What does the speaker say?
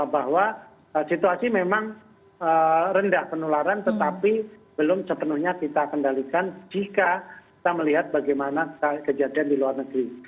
bahwa situasi memang rendah penularan tetapi belum sepenuhnya kita kendalikan jika kita melihat bagaimana kejadian di luar negeri